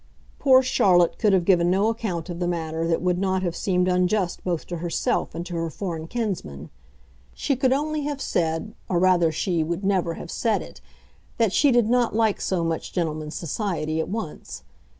Poor Charlotte could have given no account of the matter that would not have seemed unjust both to herself and to her foreign kinsman; she could only have said—or rather, she would never have said it—that she did not like so much gentleman's society at once.